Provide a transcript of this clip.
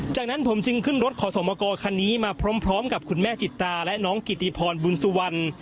จากนั้นผมจึงขึ้นรถขอสมกรคันนี้มาพร้อมกับคุณแม่จิตตาและน้องกิติพรบุญสุวรรณ